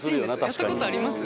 やった事あります？